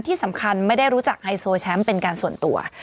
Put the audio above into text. ที่สำคัญไม่ได้รู้จักไฮโซแชมป์เป็นการส่วนตัว